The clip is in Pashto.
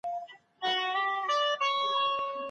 په ګرځېدو کې ځانګړي کالي نه اغوستل کېږي.